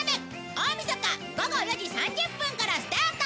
大みそか午後４時３０分からスタート！